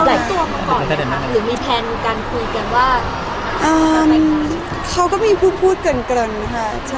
หรือมีแทนการคุยกันว่าอ่าเขาก็มีผู้พูดเกินเกินค่ะใช่